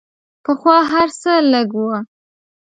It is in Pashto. پخوا هر څه لږ وو.